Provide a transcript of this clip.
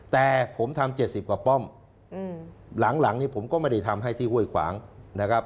แต่ผมทำ๗๐กว่าป้อมหลังนี้ผมก็ไม่ได้ทำให้ที่ห้วยขวางนะครับ